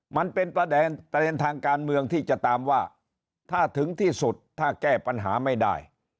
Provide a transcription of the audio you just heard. มันเป็นประเด็นประเด็นทางการเมืองที่จะตามว่าถ้าถึงที่สุดถ้าแก้ปัญหาไม่ได้